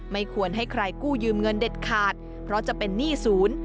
ไม่ควรให้ใครกู้ยืมเงินเด็ดขาดเพราะจะเป็นหนี้ศูนย์